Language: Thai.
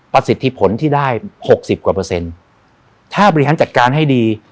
สิทธิผลที่ได้หกสิบกว่าเปอร์เซ็นต์ถ้าบริหารจัดการให้ดี